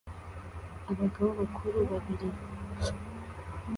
abagabo bakuru babiri